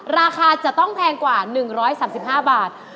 ราคาจะต้องแพงกว่า๑๓๕บาท